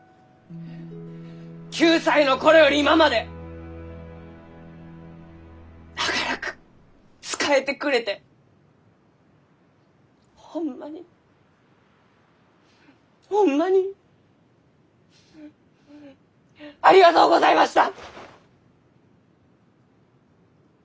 ９歳の頃より今まで長らく仕えてくれてホンマにホンマにありがとうございました！